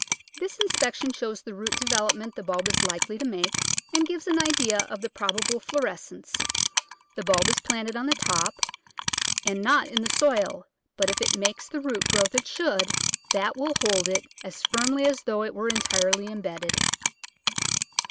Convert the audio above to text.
This inspection shows the root development the bulb is likely to make, and gives an idea of the probable florescence. The bulb is planted on top, and not in the soil, but if it makes the root growth it should that will hold it as firmly as though it were entirely em bedded.